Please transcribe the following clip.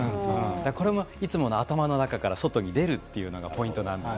これもいつもの頭の中から外に出るというのがポイントです。